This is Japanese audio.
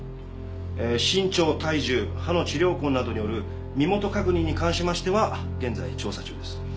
え身長体重歯の治療痕などによる身元確認に関しましては現在調査中です。